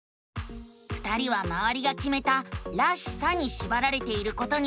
２人はまわりがきめた「らしさ」にしばられていることに気づくのさ！